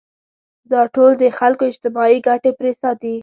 دا ټول د خلکو اجتماعي ګټې پرې ساتي.